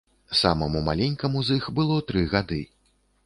Самаму маленькаму з іх было тры гады.